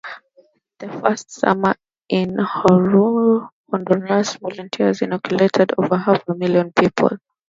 The first summer in Honduras, volunteers inoculated over half a million people.